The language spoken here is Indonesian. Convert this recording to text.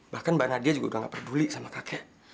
bahkan mbak nadia juga udah gak peduli sama kakek